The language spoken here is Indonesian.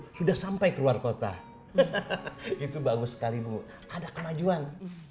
sudah sampai keluar kota itu bagus sekali bu ada kemajuan